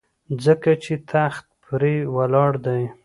ځکه چې تخت پرې ولاړ دی.